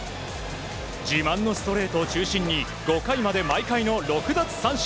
自慢のストレートを中心に５回まで毎回の６奪三振。